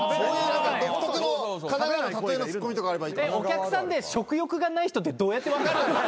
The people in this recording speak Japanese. お客さんで食欲がない人ってどうやって分かる。